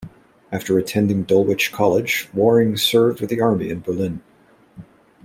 After attending Dulwich College, Waring served with the Army in Berlin.